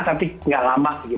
tapi tidak lama